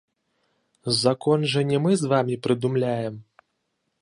Закон жа не мы з вамі прыдумляем.